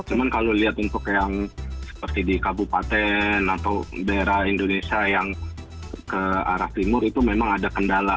cuma kalau lihat untuk yang seperti di kabupaten atau daerah indonesia yang ke arah timur itu memang ada kendala